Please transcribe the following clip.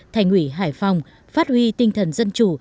thành ủy hải phòng phát huy tinh thần dân chủ